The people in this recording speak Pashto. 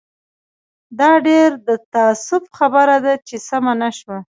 دا ډېر د تاسف خبره ده چې سمه نه شوه.